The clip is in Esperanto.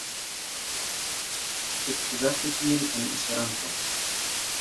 Ekzakte kiel en Esperanto.